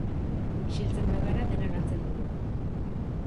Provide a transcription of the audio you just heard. Isiltzen bagara dena galtzen dugu.